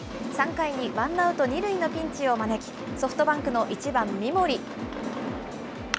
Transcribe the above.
３回にワンアウト２塁のピンチを招き、ソフトバンクの１番三森。